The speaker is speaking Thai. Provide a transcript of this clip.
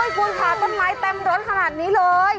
คุณค่ะต้นไม้เต็มรถขนาดนี้เลย